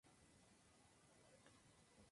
Los ataques duraron aproximadamente media hora.